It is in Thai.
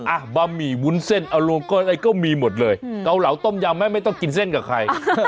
บะหมี่วุ้นเส้นเอาลงก้อนอะไรก็มีหมดเลยเกาเหลาต้มยำไหมไม่ต้องกินเส้นกับใคร